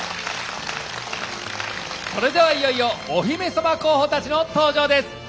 それではいよいよお姫様候補たちの登場です。